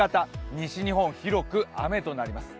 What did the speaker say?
西日本、広く雨となります。